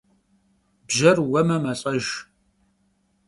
Bjer vueme, melh'ejj.